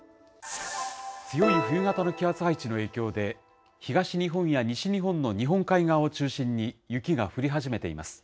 強い冬型の気圧配置の影響で、東日本や西日本の日本海側を中心に、雪が降り始めています。